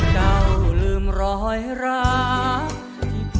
เจ้าลืมรอยรัก